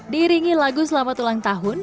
diringi lagu selamat ulang tahun